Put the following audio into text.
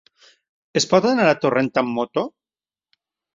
Es pot anar a Torrent amb moto?